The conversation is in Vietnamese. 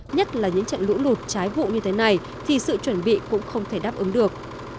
nhất là những trận lũ lụt trái vụ như thế này thì sự chuẩn bị cũng không thể đáp ứng được